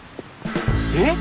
えっ？